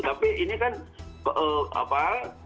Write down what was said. tapi ini kan apa